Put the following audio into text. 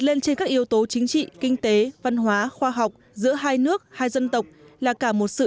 lên trên các yếu tố chính trị kinh tế văn hóa khoa học giữa hai nước hai dân tộc là cả một sự